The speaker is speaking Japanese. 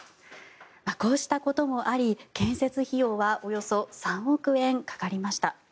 こうしたこともあり、建設費用はおよそ３億円かかりました。